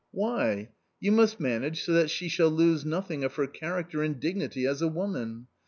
" Why ? You must manage so that she shall lose nothing of her character and dignity as a woman.